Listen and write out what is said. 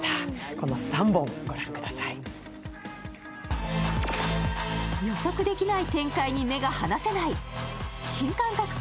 この３本、御覧ください。